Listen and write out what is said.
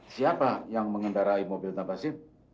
siapa yang mengendarai mobil tanpa sip